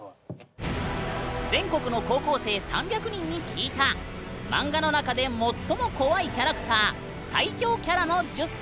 全国の高校生３００人に聞いたマンガの中で最も怖いキャラクター最恐キャラの１０選。